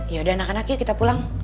yaudah anak anak yuk kita pulang